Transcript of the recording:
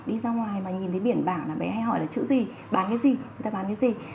đi ra ngoài mà nhìn thấy biển bảng là bé hay hỏi là chữ gì bán cái gì